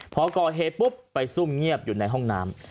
พอก่อเหตุปุ๊บไปซุ่มเงียบอยู่ในห้องน้ำ